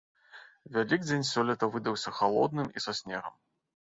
Вялікдзень сёлета выдаўся халодным і са снегам.